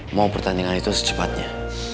mau pertandingan itu secepatnya